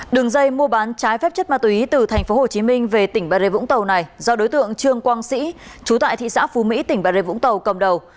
đường dây mua bán trái phép chất ma túy từ tp hcm về tỉnh bà rê vũng tàu này do đối tượng trương quang sĩ chú tại thị xã phú mỹ tỉnh bà rê vũng tàu cầm đầu